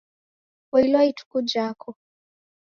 Poilwa ituku jako!